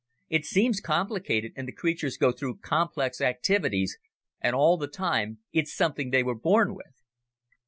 It seems complicated, and the creatures go through complex activities, and all the time it's something they were born with."